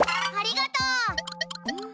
ありがとう！